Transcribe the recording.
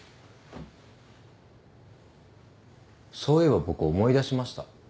そういえば僕思い出しました。